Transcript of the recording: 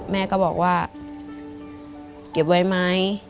แม่ก็บอกว่าเก็บไว้ไหม